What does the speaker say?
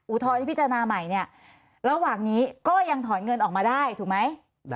ทรณที่พิจารณาใหม่เนี่ยระหว่างนี้ก็ยังถอนเงินออกมาได้ถูกไหม